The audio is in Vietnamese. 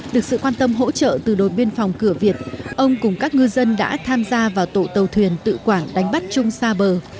được sự quan tâm hỗ trợ từ đồn biên phòng cửa việt ông cùng các ngư dân đã tham gia vào tổ tàu thuyền tự quảng đánh bắt chung xa bờ